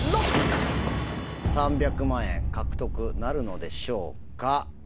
３００万円獲得なるのでしょうか？